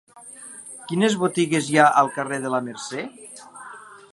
Quines botigues hi ha al carrer de la Mercè?